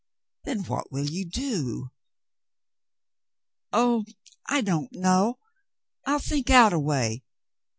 "Then what will you do ?" "Oh, I don't know. I'll think out a way.